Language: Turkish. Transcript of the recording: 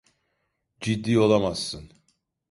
Ciddi olamazsın.